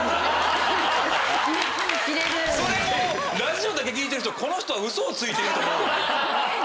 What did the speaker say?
それもラジオだけ聴いてるとこの人はウソをついていると思うよね。